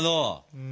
うん？